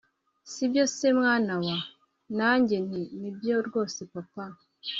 sibyo se mwana wa!? nanjye nti nibyo rwose papa